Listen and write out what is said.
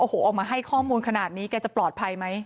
โอ้โหออกมาให้ข้อมูลขนาดนี้แกจะปลอดภัยไหม